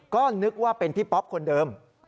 ก็นึกว่าเป็นพี่ป๊อปคนเดิม